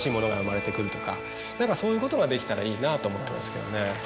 何かそういうことができたらいいなと思ってますけどね。